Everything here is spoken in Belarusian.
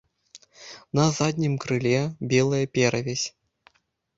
На заднім крыле белая перавязь.